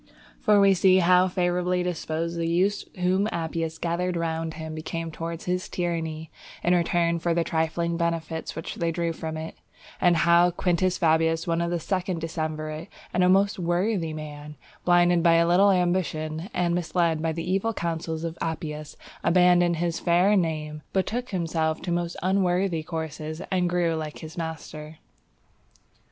For we see how favourably disposed the youths whom Appius gathered round him became towards his tyranny, in return for the trifling benefits which they drew from it; and how Quintus Fabius, one of the second decemvirate and a most worthy man, blinded by a little ambition, and misled by the evil counsels of Appius, abandoning his fair fame, betook himself to most unworthy courses, and grew like his master.